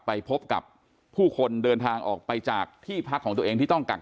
ไปพบกับผู้คนเดินทางออกไปจากที่พักของตัวเองที่ต้องกัก